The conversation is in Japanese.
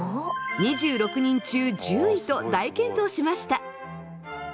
２６人中１０位と大健闘しました。